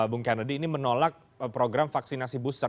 bung kennedy ini menolak program vaksinasi booster